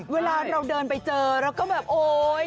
เวลาเราเดินไปเจอเราก็แบบโอ๊ย